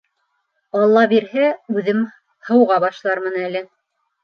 Алла бирһә, үҙем һыуға башлармын әле.